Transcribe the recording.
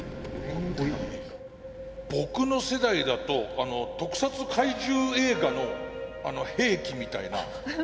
僕の世代だと特撮怪獣映画の兵器みたいな。